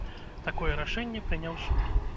Такое рашэнне прыняў суд.